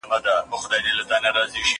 زه له سهاره مړۍ خورم